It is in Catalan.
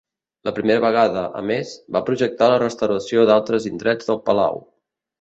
La primera vegada, a més, va projectar la restauració d'altres indrets del palau.